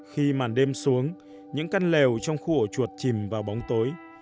khi màn đêm xuống những căn lều trong khu ổ chuột chìm vào bóng tối